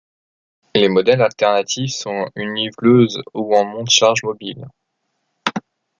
Les modèles alternatifs sont une niveleuse ou un monte-charges mobile.